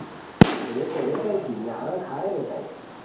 ریکو ریتائے کی نہنگ ہائے ریتائے